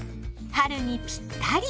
春にぴったり。